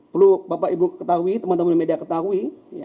perlu bapak ibu ketahui teman teman media ketahui